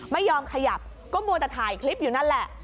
ไม่ยอมขยับก็มัวแต่ถ่ายคลิปอยู่นั่นแหละ